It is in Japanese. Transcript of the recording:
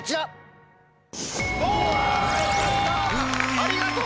ありがとう！